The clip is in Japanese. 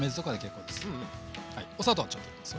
お砂糖ちょっと入れますね。